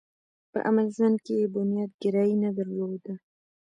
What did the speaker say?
په عملي ژوند کې یې بنياد ګرايي نه درلوده.